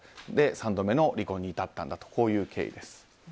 ３度目の離婚に至ったとこういう経緯です。